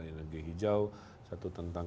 energi hijau satu tentang